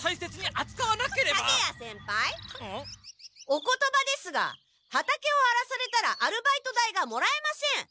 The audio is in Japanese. お言葉ですが畑をあらされたらアルバイト代がもらえません。